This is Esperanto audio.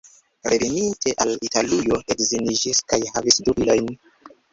Reveninte al Italujo edziniĝis kaj havis du filojn.